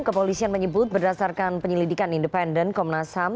kepolisian menyebut berdasarkan penyelidikan independen komnas ham